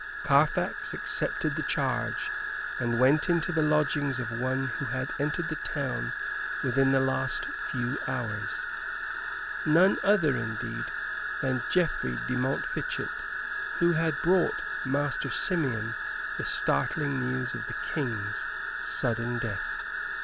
Carfax accepted the charge; and went into the lodgings of one who had entered the town within the last few hours none other, indeed, than Geoffrey de Montfichet, who had brought Master Simeon the startling news of the King's sudden death.